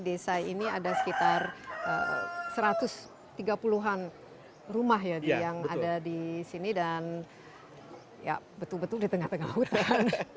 desa ini ada sekitar satu ratus tiga puluh an rumah ya yang ada di sini dan ya betul betul di tengah tengah hutan